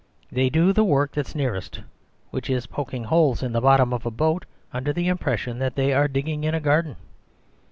They do the work that's nearest; which is poking holes in the bottom of a boat under the impression that they are digging in a garden.